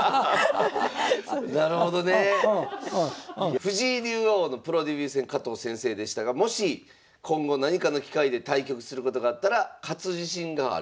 藤井竜王のプロデビュー戦加藤先生でしたがもし今後何かの機会で対局することがあったら勝つ自信がある。